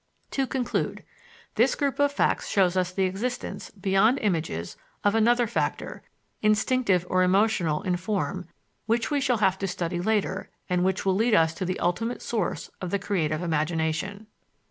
To conclude: This group of facts shows us the existence, beyond images, of another factor, instinctive or emotional in form, which we shall have to study later and which will lead us to the ultimate source of the creative imagination.